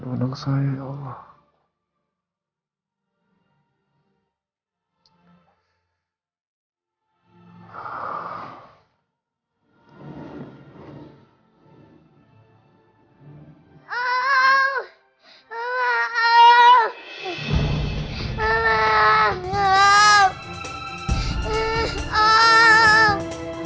tapi rasanya nyata banget